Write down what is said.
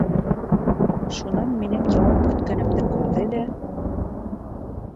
Шунан минең яуап көткәнемде күрҙе лә: